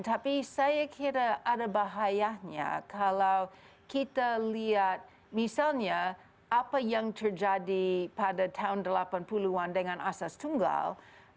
tapi saya kira ada bahayanya kalau kita lihat misalnya apa yang terjadi pada tahun delapan puluh an dengan asas tunggal